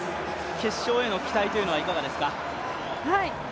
決勝への期待というのは、いかがですか。